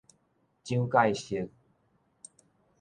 蔣介石